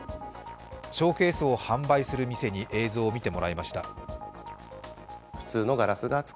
ショーケースを販売する店に映像を見てもらいました。